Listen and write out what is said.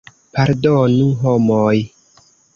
Pardonu, homoj!